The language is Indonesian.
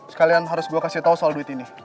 sekalian harus gue kasih tau soal duit ini